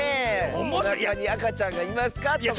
「おなかにあかちゃんがいますか？」とか。